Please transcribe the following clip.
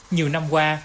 nhiều năm qua